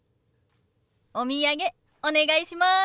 お土産お願いします。ＯＫ。